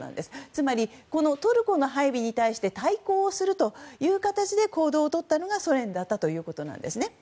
つまり、トルコの配備に対して対抗する形で行動をとったのがソ連だったということなんです。